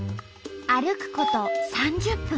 歩くこと３０分。